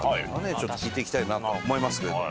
ちょっと聞いていきたいなと思いますけれども。